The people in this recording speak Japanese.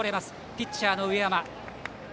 ピッチャーの上山。